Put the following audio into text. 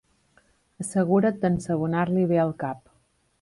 Assegura't d'ensabonar-li bé el cap.